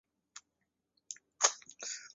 蒲公英是一种比较知名的可食用野草。